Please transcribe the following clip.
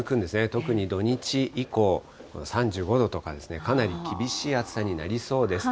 特に土日以降、３５度とか、かなり厳しい暑さになりそうです。